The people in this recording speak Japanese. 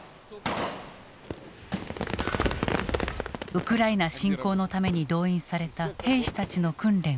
ウクライナ侵攻のために動員された兵士たちの訓練を視察した。